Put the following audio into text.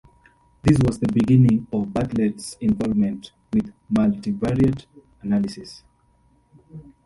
This was the beginning of Bartlett's involvement with multivariate analysis.